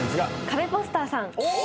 カベポスターさん。